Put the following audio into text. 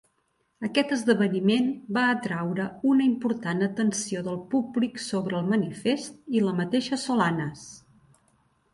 Aquest esdeveniment va atraure una important atenció del públic sobre el "Manifest" i la mateixa Solanas.